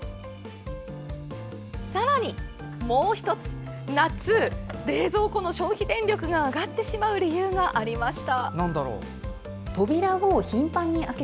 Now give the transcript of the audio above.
さらに、もう１つ夏、冷蔵庫の消費電力が上がってしまう理由がありました。